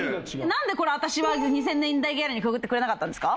なんでこれ私は２０００年代ギャルにくくってくれなかったんですか？